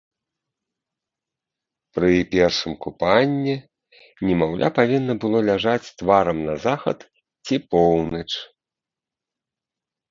Пры першым купанні немаўля павінна было ляжаць тварам на захад ці поўнач.